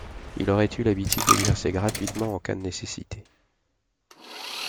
Il aurait eu l'habitude d'exercer gratuitement en cas de nécessité.